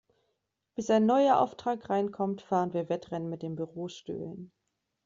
Bis ein neuer Auftrag reinkommt, fahren wir Wettrennen mit den Bürostühlen.